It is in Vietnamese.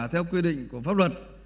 theo quy định của pháp luật